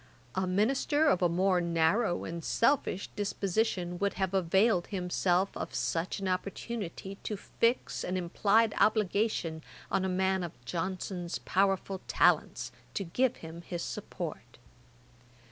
A minister of a more narrow and selfish disposition would have availed himself of such an opportunity to fix an implied obligation on a man of Johnson's powerful talents to give him his support.